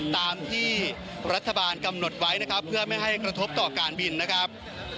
ตามที่รัฐบาลกำหนดไว้นะครับเพื่อไม่ให้กระทบต่อการบินนะครับ